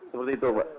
seperti itu pak